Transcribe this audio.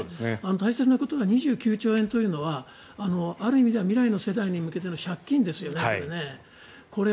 大切なことは２９兆円というのはある意味では未来の世代に向けての借金ですよね、これ。